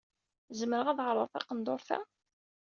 Zemreɣ ad ɛerḍeɣ taqendurt-a?